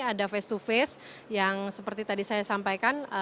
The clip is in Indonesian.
ada face to face yang seperti tadi saya sampaikan